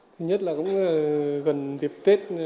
thứ nhất là cũng gần dịp tết